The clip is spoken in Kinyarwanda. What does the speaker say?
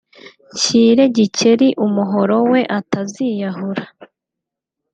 nshyire Gikeli umuhoro we ataziyahura